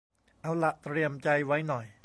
เอาหละเตรียมใจไว้หน่อย